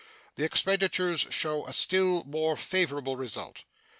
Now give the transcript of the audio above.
The expenditures show a still more favorable result.